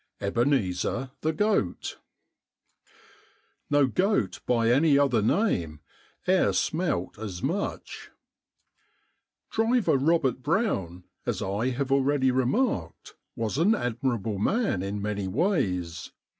EBENEEZER THE GOAT NO GOAT BY ANY OTHER NAME E'ER SMELT AS MUCH Driver Robert Brown, as I have already remarked, was an admirable man in many ways.